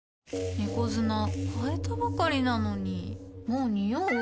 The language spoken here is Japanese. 猫砂替えたばかりなのにもうニオう？